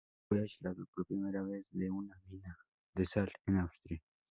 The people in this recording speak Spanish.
Fue aislado por primera vez de una mina de sal en Austria.